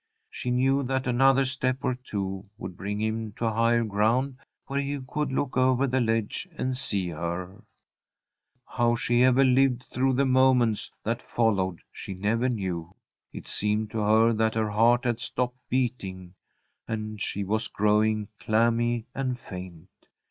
She knew that another step or two would bring him to higher ground, where he could look over the ledge and see her. How she ever lived through the moments that followed, she never knew. It seemed to her that her heart had stopped beating, and she was growing clammy and faint.